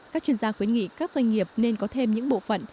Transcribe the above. các chuyên gia khuyến nghị các doanh nghiệp nên có thêm những bộ phận